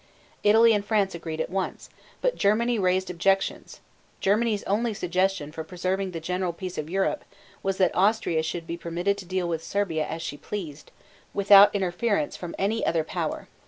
Italy and France agreed at once, but Germany raised objections. Germany's only suggestion for preserving the general peace of Europe was that Austria should be permitted to deal with Serbia as she pleased, without interference from any other power.